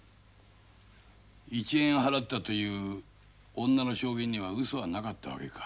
１円払ったという女の証言にはうそはなかったわけか。